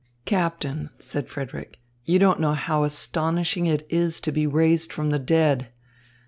"Captain," said Frederick, "you don't know how astonishing it is to be raised from the dead.